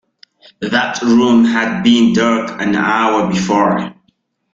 That room had been dark an hour before.